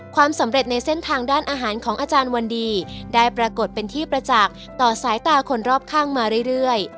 ความสำเร็จในเส้นทางด้านอาหารของอาจารย์วันดีได้ปรากฏเป็นที่ประจักษ์ต่อสายตาคนรอบข้างมาเรื่อย